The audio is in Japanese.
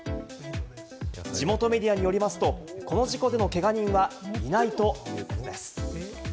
地元メディアによりますと、この事故でのけが人はいないということです。